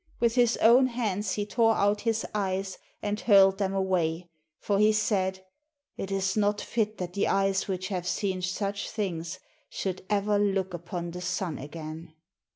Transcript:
With his own hands he tore out his eyes and hurled them away; for he said, "It is not fit that the eyes which have seen such things should ever look upon the sun again."